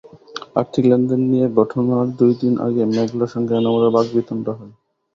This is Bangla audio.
আর্থিক লেনদেন নিয়ে ঘটনার দুই দিন আগে মেঘলার সঙ্গে এনামুলের বাগবিতণ্ডা হয়।